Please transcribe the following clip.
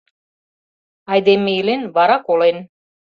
Айдеме илен, вара колен.